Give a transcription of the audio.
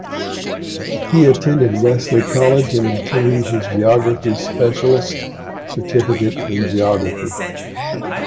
He attended Wesley College and obtained his Geography Specialist Certificate in Geography.